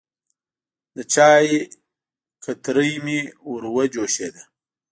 د چای کتری مې وروه جوشېده.